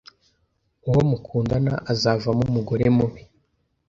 uwo mukundana azavamo umugore mubi